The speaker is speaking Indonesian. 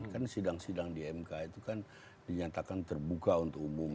kan sidang sidang di mk itu kan dinyatakan terbuka untuk umum